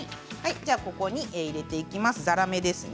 ここに入れていきます。